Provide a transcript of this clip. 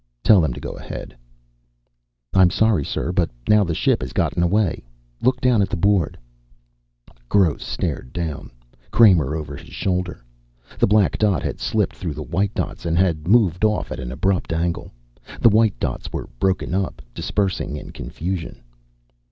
"Tell them to go ahead." "I'm sorry, sir, but now the ship has gotten away. Look down at the board." Gross stared down, Kramer over his shoulder. The black dot had slipped through the white dots and had moved off at an abrupt angle. The white dots were broken up, dispersing in confusion.